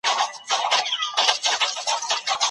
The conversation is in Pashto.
ایا د تصوير خاوندان خپل انځورونه راژوندي کولای سي؟